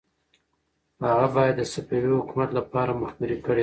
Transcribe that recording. هغه باید د صفوي حکومت لپاره مخبري کړې وای.